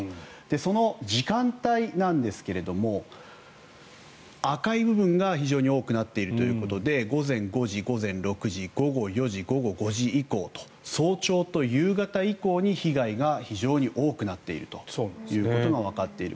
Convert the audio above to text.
その時間帯なんですが赤い部分が非常に多くなっているということで午前５時、午前６時午後４時、午後５時以降と早朝と夕方以降に被害が非常に多くなっているということがわかっている。